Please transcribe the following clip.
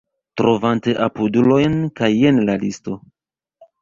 Trovante apudulojn kaj jen la listo